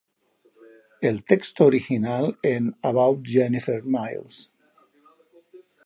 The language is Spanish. El texto original en "about jennifer mills".